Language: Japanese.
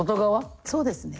そうですね。